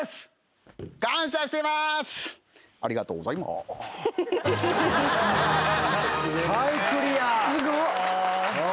すごっ。